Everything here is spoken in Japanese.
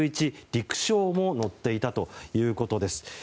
陸将も乗っていたということです。